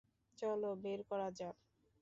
চলো, বের করা যাক।